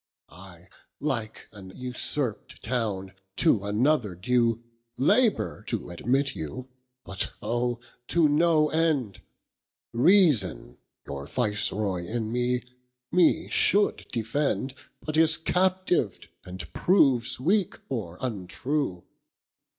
I, like an usurpt towne, to another due, Labour to admit you, but Oh, to no end, Reason your viceroy in mee, mee should defend, But is captiv'd , and proves weake or untrue.